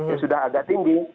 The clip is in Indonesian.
dia sudah agak tinggi